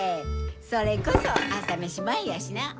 それこそ朝飯前やしな！